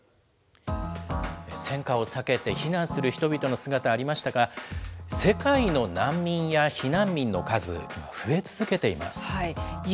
戦火を避けて避難する人々の姿、ありましたが、世界の難民や避難民の数、増え続けています。